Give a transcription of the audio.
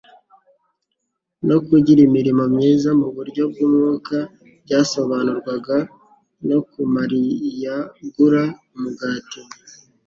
no kugira imirimo myiza mu buryo bw'umwuka, byasobanurwaga no kumariyagura umugati.